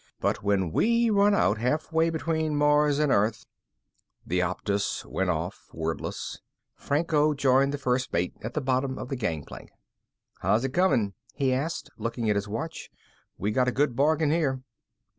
But when we run out halfway between Mars and Earth " The Optus went off, wordless. Franco joined the first mate at the bottom of the gangplank. "How's it coming?" he said. He looked at his watch. "We got a good bargain here."